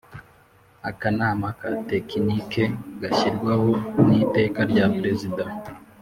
Akanama ka Tekinike gashyirwaho n Iteka rya Perezida